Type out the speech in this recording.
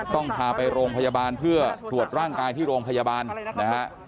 ต้องพาไปโรงพยาบาลเพื่อตรวจร่างกายที่โรงพยาบาลนะฮะ